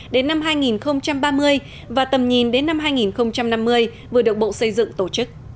đến năm hai nghìn ba mươi và tầm nhìn đến năm hai nghìn năm mươi vừa được bộ xây dựng tổ chức